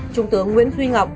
trung tướng nguyễn duy ngọc